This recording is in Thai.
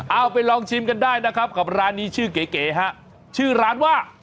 เอาไปลองชิมกันได้นะครับกับร้านนี้ชื่อเก๋ฮะชื่อร้านว่า